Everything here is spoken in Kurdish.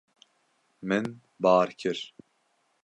Min bar kir.